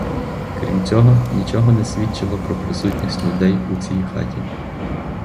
Крім цього, нічого не свідчило про присутність людей у цій хаті.